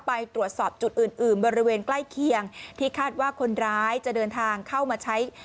ไปตรวจสอบจุดอื่นอื่นบริเวณใกล้เคียงที่คาดว่าคนร้ายจะเดินทางเข้ามาใช้